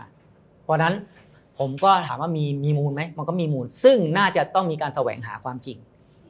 เพราะฉะนั้นผมก็ถามว่ามีมูลไหมมันก็มีมูลซึ่งน่าจะต้องมีการแสวงหาความจริง